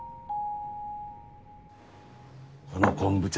この昆布茶